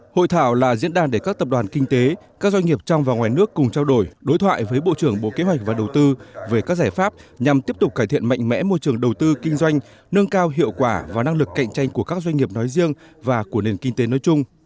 hội thảo là diễn đàn để các tập đoàn kinh tế các doanh nghiệp trong và ngoài nước cùng trao đổi đối thoại với bộ trưởng bộ kế hoạch và đầu tư về các giải pháp nhằm tiếp tục cải thiện mạnh mẽ môi trường đầu tư kinh doanh nâng cao hiệu quả và năng lực cạnh tranh của các doanh nghiệp nói riêng và của nền kinh tế nói chung